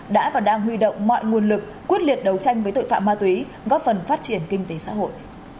đã và đang huy động mọi nguồn lực quyết liệt đấu tranh với tội phạm ma túy góp phần phát triển kinh tế xã hội